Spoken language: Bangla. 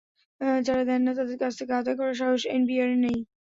যাঁরা দেন না, তাঁদের কাছ থেকে আদায় করার সাহস এনবিআরের নেই।